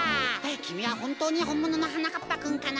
きみはほんとうにほんもののはなかっぱくんかな？